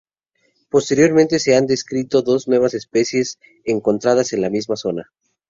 Posteriormente se han descrito dos nuevas especies encontradas en la misma zona.